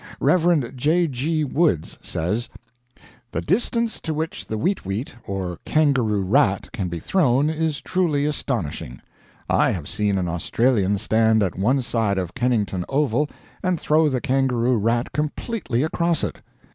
Rev. J. G. Woods says: "The distance to which the weet weet or kangaroo rat can be thrown is truly astonishing. I have seen an Australian stand at one side of Kennington Oval and throw the kangaroo rat completely across it."